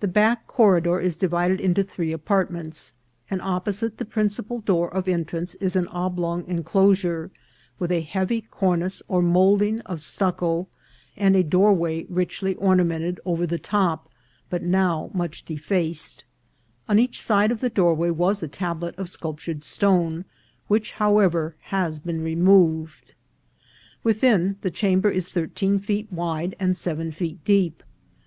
The back corridor is divided into three apartments, and opposite the principal door of entrance is an oblong enclosure, with a heavy cornice or moulding of stucco, and a doorway richly ornament ed over the top, but now much defaced ; on each side of the doorway was a tablet of sculptured stone, which, however, has been removed. Within, the chamber is thirteen feet wide and seven feet deep.